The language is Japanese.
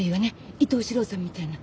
伊東四朗さんみたいな。